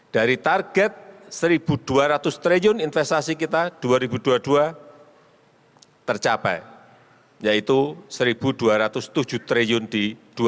dari target rp satu dua ratus triliun investasi kita dua ribu dua puluh dua tercapai yaitu rp satu dua ratus tujuh triliun di dua ribu dua puluh